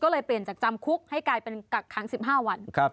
ก็เลยเปลี่ยนจากจำคุกให้กลายเป็นกักขัง๑๕วัน